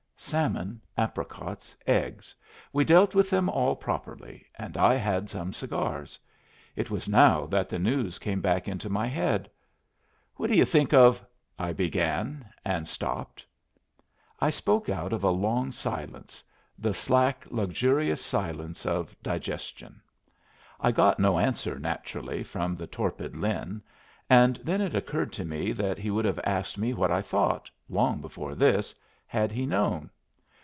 Salmon, apricots, eggs, we dealt with them all properly, and I had some cigars. It was now that the news came back into my head. "What do you think of " I began, and stopped. I spoke out of a long silence, the slack, luxurious silence of digestion. I got no answer, naturally, from the torpid Lin, and then it occurred to me that he would have asked me what I thought, long before this, had he known.